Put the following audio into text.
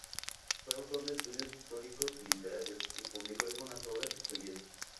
Fue autor de estudios históricos y literarios y publicó algunas obras y folletos.